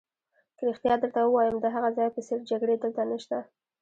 که رښتیا درته ووایم، د هغه ځای په څېر جګړې دلته نشته.